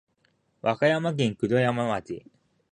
和歌山県九度山町